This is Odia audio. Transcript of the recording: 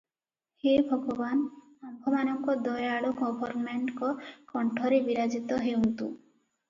ହେ ଭଗବାନ୍! ଆମ୍ଭମାନଙ୍କ ଦୟାଳୁ ଗଭର୍ଣ୍ଣମେଣ୍ଟଙ୍କ କଣ୍ଠରେ ବିରାଜିତ ହେଉନ୍ତୁ ।